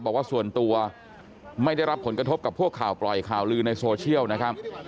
บอกว่าส่วนตัวไม่ได้รับผลกระทบกับพวกข่าวปล่อยข่าวลือในโซเชียลนะครับ